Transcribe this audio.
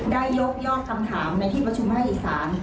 ได้ยกย่องคำถามในที่ประชุมภาคอีสาน